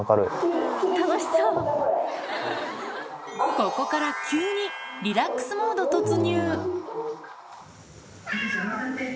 ここから急に、リラックスモード突入。